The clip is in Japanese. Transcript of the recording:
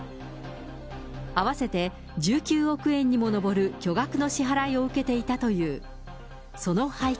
合わせて１９億円にも上る巨額の支払いを受けていたという。